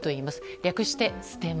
略してステマ。